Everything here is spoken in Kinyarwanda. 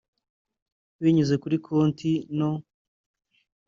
binyuze kuri Konti no